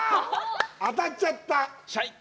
当たっちゃった！？